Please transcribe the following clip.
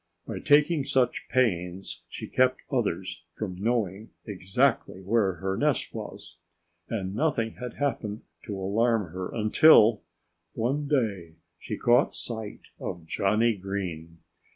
By taking such pains she kept others from knowing exactly where her nest was. And nothing had happened to alarm her until one day she caught sight of Johnnie Green.